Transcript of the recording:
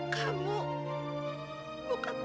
kamu bukan alva